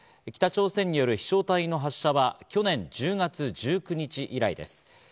北朝鮮による飛翔体の発射は去年１０月１９日以来です。